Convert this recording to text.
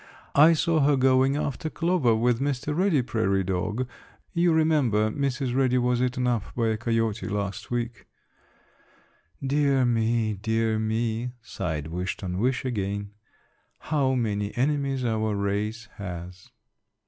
I saw her going after clover with Mr. Reddy Prairie Dog. You remember Mrs. Reddy was eaten up by a coyote last week." "Dear me, dear me," sighed Wish ton wish again, "how many enemies our race has!"